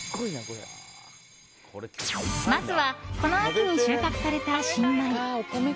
まずは、この秋に収穫された新米。